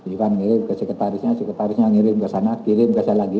iwan kirim ke sekretarisnya sekretarisnya ngirim ke sana kirim ke saya lagi